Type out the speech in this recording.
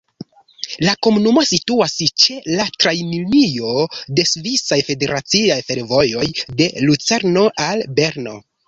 La komunumo situas ĉe la trajnlinio de Svisaj Federaciaj Fervojoj de Lucerno al Berno.